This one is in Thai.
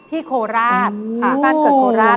ที่โคลาศค่ะบ้านเกิดโคลาศ